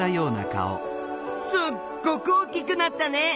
すっごく大きくなったね！